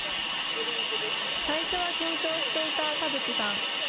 最初は緊張していた田渕さん。